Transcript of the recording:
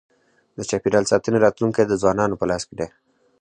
د چاپېریال ساتنې راتلونکی د ځوانانو په لاس کي دی.